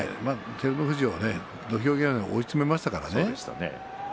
照ノ富士を土俵際まで追い詰めましたからね。